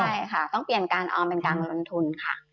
ใช่ค่ะต้องเปลี่ยนการออมเป็นการลงทุนค่ะ